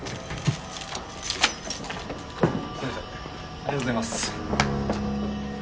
ありがとうございます。